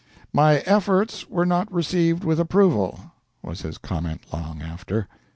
"My efforts were not received with approval" was his comment long after.